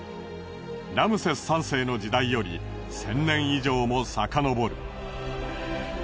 ラムセス３世の時代より１０００年以上もさかのぼる。